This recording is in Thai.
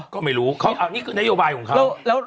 ก็ไม่รู้อันนี้คือนโยบายของเขา